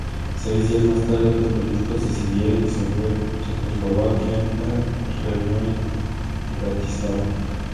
Seis días más tarde, los políticos decidieron disolver Checoslovaquia en una reunión en Bratislava.